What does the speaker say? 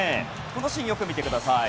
このシーン、よく見てください。